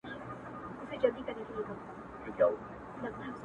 • پلار نیکه او ورنیکه مي ټول ښکاریان وه ,